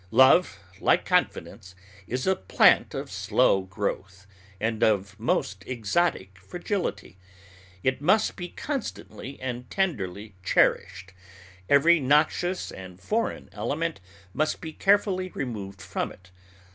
Love, like confidence, is a plant of slow growth, and of most exotic fragility. It must be constantly and tenderly cherished. Every noxious and foreign element must be carefully removed from it.